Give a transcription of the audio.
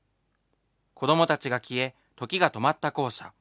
子どもたちが消え、時が止まった校舎。